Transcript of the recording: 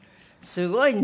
すごいね。